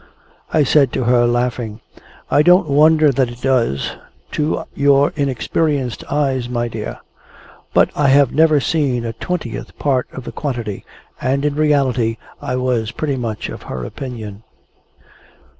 I said to her, laughing, "I don't wonder that it does, to your inexperienced eyes, my dear." But I had never seen a twentieth part of the quantity, and, in reality, I was pretty much of her opinion.